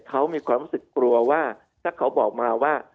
เขามีความรู้สึกกลัวว่าถ้าเขาบอกมาว่า